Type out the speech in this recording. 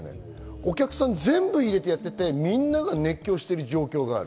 お客さんを全部入れてやっていって、みんなが熱狂している状況がある。